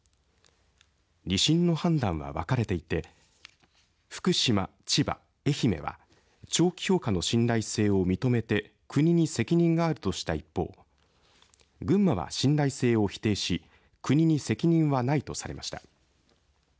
２審の判断は分かれていて福島、千葉、愛媛は長期評価の信頼性を認めて国に責任があるとした一方群馬は、信頼性を否定し国に責任はないとされました。